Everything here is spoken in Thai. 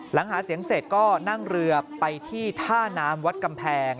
หลังหาเสียงเสร็จก็นั่งเรือไปที่ท่าน้ำวัดกำแพง